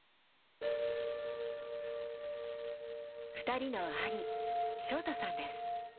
２人の兄、翔太さんです。